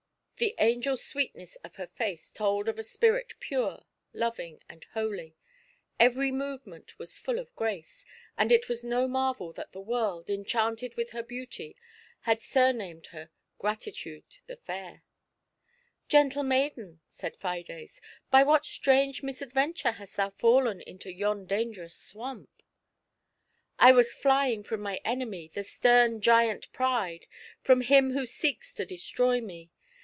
The angel sweetness of her face told of a spirit pure, loving, and holy ; every movement was full of grace, and it was no marvel that the world, enchanted with her beauty, had sumamed her Gratitude the Fair. " Gentle maiden !" said Fides, "by what strange mis adventure hast thou fallen into yon dangerous swamp ?'*" I was flying from my enemy, from stern Giant Pride, from him who seeks to destroy me.